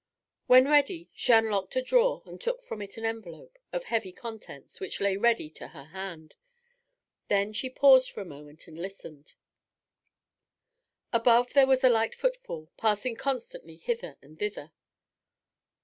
When ready, she unlocked a drawer and took from it an envelope, of heavy contents, which lay ready to her hand. Then she paused for a moment and listened. Above there was a light footfall, passing constantly hither and thither.